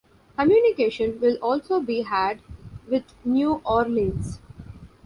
Communication will also be had with New Orleans.